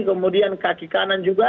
kemudian kaki kanan juga